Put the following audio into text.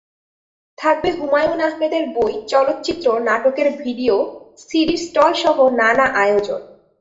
থাকবে হুমায়ূন আহমেদের বই, চলচ্চিত্র, নাটকের ভিডিও সিডির স্টলসহ নানা আয়োজন।